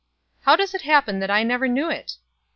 "How does it happen that I never knew it?"